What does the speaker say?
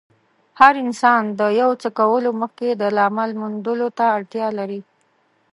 هر انسان د يو څه کولو مخکې د لامل موندلو ته اړتیا لري.